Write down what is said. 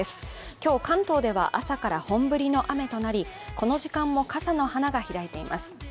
今日関東では朝から本降りの雨となり、この時間も傘の花が開いています。